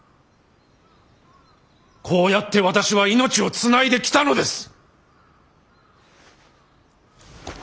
こうやって私は命を繋いできたのです！